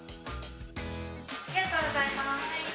ありがとうございます。